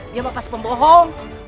dia memang pas pembohong